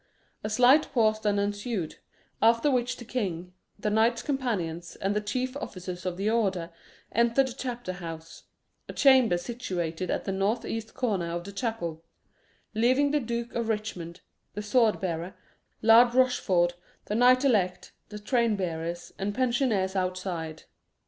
A slight pause then ensued, after which the king, the knights companions, and the chief officers of the Order, entered the chapter house a chamber situated at the north east corner of the chapel leaving the Duke of Richmond, the sword bearer, Lard Rochford, the knight elect, the train bearers, and pensioners outside.